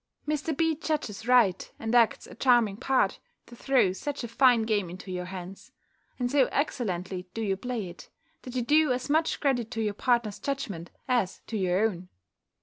Mr. B. judges right, and acts a charming part, to throw such a fine game into your hands. And so excellently do you play it, that you do as much credit to your partner's judgment as to your own.